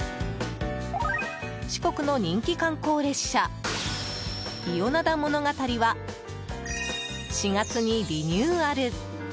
四国の人気観光列車「伊予灘ものがたり」は４月にリニューアル。